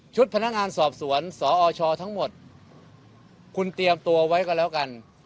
พนักงานสอบสวนสอชทั้งหมดคุณเตรียมตัวไว้ก็แล้วกัน